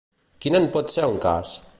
Quin en pot ser un cas?